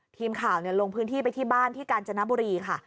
ทีมข่าวลงพื้นที่ไปที่บ้านที่กาญจนบุรีค่ะ